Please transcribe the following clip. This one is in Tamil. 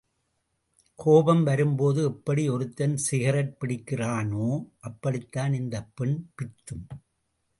கோபம் வரும்போது எப்படி ஒருத்தன் சிகரெட் பிடிக்கிறானோ, அப்படித்தான் இந்தப் பெண் பித்தும்.